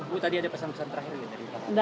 bu tadi ada pesan pesan terakhir ya